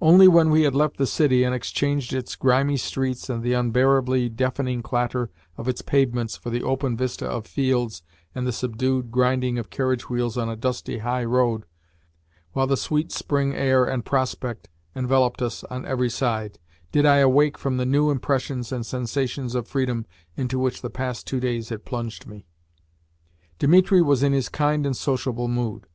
Only when we had left the city and exchanged its grimy streets and the unbearably deafening clatter of its pavements for the open vista of fields and the subdued grinding of carriage wheels on a dusty high road (while the sweet spring air and prospect enveloped us on every side) did I awake from the new impressions and sensations of freedom into which the past two days had plunged me. Dimitri was in his kind and sociable mood.